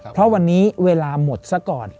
เพราะวันนี้เวลาหมดซะก่อน